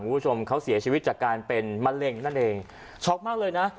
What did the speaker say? คุณผู้ชมเขาเสียชีวิตจากการเป็นมะเร็งนั่นเองช็อกมากเลยนะ